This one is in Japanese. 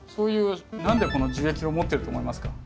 何でこの樹液を持ってると思いますか？